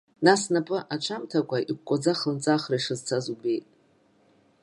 Нас снапы аҽамҭакәа, икәкәаӡа хланҵы ахра ишазцаз убеит.